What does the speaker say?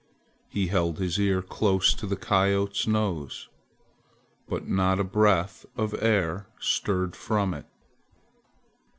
He held his ear close to the coyote's nose, but not a breath of air stirred from it.